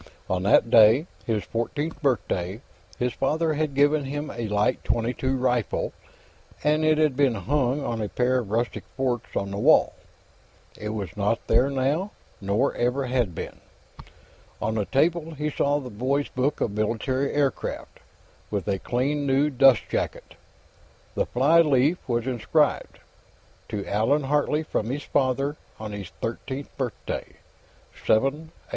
On that day, his fourteenth birthday, his father had given him a light .22 rifle, and it had been hung on a pair of rustic forks on the wall. It was not there now, nor ever had been. On the table, he saw a boys' book of military aircraft, with a clean, new dustjacket; the flyleaf was inscribed: _To Allan Hartley, from his father, on his thirteenth birthday, 7/18 '45.